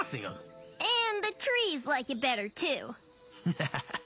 ハハハハッ。